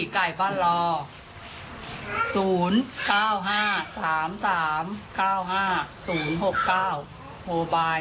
ขอบคุณครับ